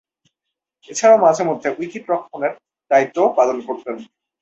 এছাড়াও, মাঝে-মধ্যে উইকেট-রক্ষণেরও দায়িত্ব পালন করতেন।